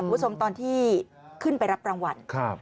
คุณผู้ชมตอนที่ขึ้นไปรับรางวัล